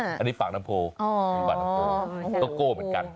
อันนี้ปากน้ำโพลต้นโก้เหมือนกัน